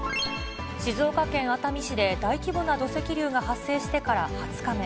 静岡県熱海市で大規模な土石流が発生してから２０日目。